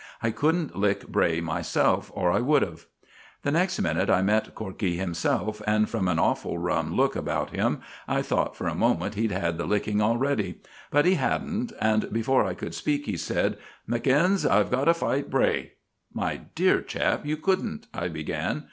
I couldn't lick Bray myself, or I would have. The next minute I met Corkey himself, and, from an awful rum look about him, I thought for a moment he'd had the licking already. But he hadn't, and before I could speak he said: "McInnes, I've got to fight Bray." "My dear chap, you couldn't," I began.